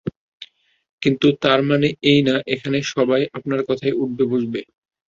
কিন্তু, তার মানে এই না এখানের সবাই আপনার কথায় উঠবে বসবে!